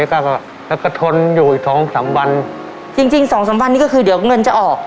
แล้วก็แล้วก็ทนอยู่อีกสองสามวันจริงจริงสองสามวันนี้ก็คือเดี๋ยวเงินจะออก